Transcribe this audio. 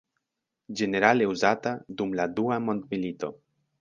Ĝenerale uzata dum la dua mondmilito.